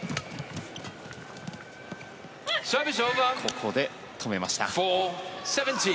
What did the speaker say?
ここで止めました。